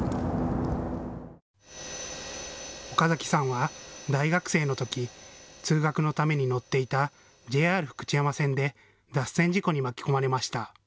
岡崎さんは大学生のとき通学のために乗っていたＪＲ福知山線で脱線事故に巻き込まれました。